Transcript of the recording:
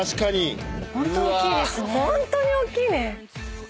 ホントにおっきいね。